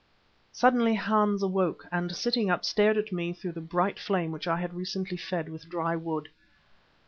Suddenly Hans awoke, and sitting up, stared at me through the bright flame which I had recently fed with dry wood.